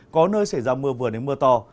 có nơi xảy ra mưa vừa đến mưa to